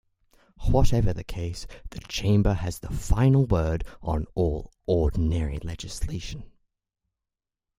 Whatever the case, the Chamber has the final word on all "ordinary legislation".